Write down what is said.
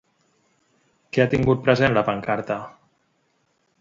Què ha tingut present la pancarta?